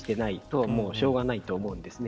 これはしょうがないと思うんですね。